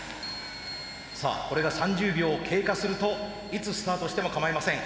さあこれが３０秒経過するといつスタートしてもかまいません。